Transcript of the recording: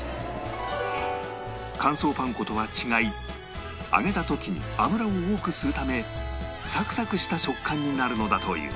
乾燥パン粉とは違い揚げた時に油を多く吸うためサクサクした食感になるのだという